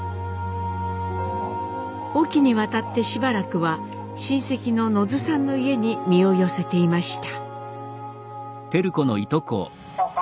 隠岐に渡ってしばらくは親戚の野津さんの家に身を寄せていました。